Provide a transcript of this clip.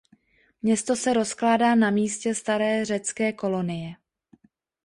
Město se rozkládá na místě staré řecké kolonie.